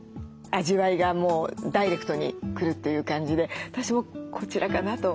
味わいがもうダイレクトに来るという感じで私もこちらかなと。